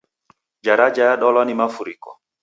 Jaraja yadwala ni mafuriko